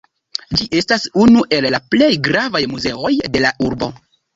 Ĝi estas unu el la plej gravaj muzeoj de la urbo.